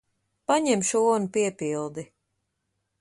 Paņem šo un piepildi.